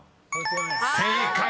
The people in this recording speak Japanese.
［正解！